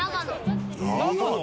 長野？